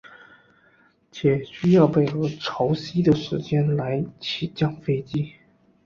且需要配合潮汐的时间来起降飞机。